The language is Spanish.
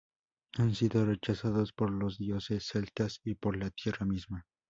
Han sido rechazados por los dioses celtas y por la tierra misma.